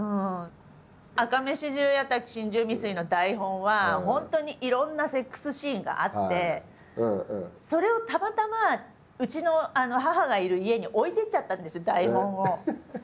「赤目四十八瀧心中未遂」の台本は本当にいろんなセックスシーンがあってそれをたまたまうちの母がいる家に置いていっちゃったんです台本を。